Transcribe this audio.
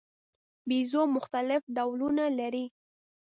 بیزو مختلف ډولونه لري.